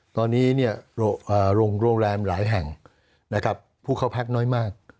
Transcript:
ตอนนี้โรงแรมหลายแห่งนะครับผู้เข้าพักน้อยมาก